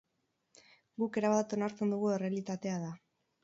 Guk erabat onartzen dugun errealitatea da.